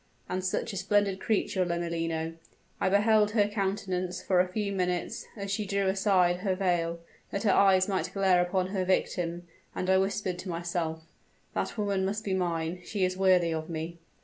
And such a splendid creature, Lomellino! I beheld her countenance for a few minutes, as she drew aside her veil that her eyes might glare upon her victim; and I whispered to myself, 'That woman must be mine; she is worthy of me!'